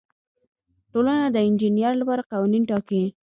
ټولنه د انجینر لپاره قوانین ټاکي.